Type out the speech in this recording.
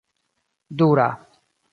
dura